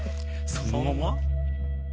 そのまま？